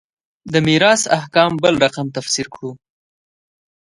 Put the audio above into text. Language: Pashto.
د میراث احکام بل رقم تفسیر کړو.